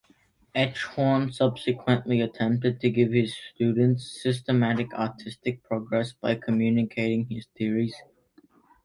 Eichhorn subsequently attempted to give his students systematic artistic progress by communicating his theories.